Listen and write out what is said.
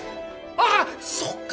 あっそっか